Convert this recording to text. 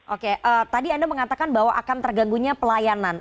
oke tadi anda mengatakan bahwa akan terganggunya pelayanan